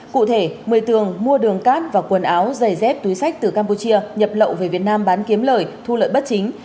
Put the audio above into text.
cụ thể một mươi tường mua đường cát và quần áo giày dép túi sách từ campuchia nhập lậu về việt nam bán kiếm lợi thu lợi bất chính